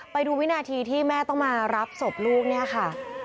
ไปดูวินาทีที่แม่ต้องมารับศพลูกเนี่ยค่ะ